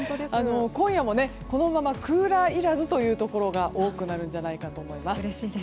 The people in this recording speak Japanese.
今夜もこのままクーラーいらずというところが多くなるんじゃないかと思います。